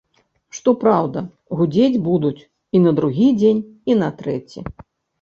Што праўда, гудзець будуць і на другі дзень, і на трэці.